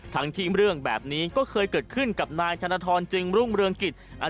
ทั้งที่เรื่องแบบนี้ก็เคยเกิดขึ้นกับนายธนทรจึงรุ่งเรืองกิจ